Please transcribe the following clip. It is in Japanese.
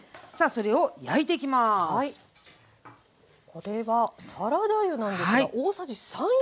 これはサラダ油なんですが大さじ３４杯入りました。